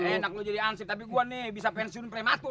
enak lo jadi ansi tapi gue nih bisa pensiun prematur